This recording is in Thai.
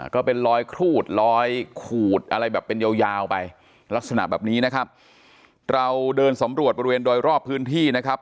ก็เป็นรอยครูดรอยขูดอะไรแบบเป็นยาวยาวไปลักษณะแบบนี้นะครับเราเดินสำรวจบริเวณโดยรอบพื้นที่นะครับ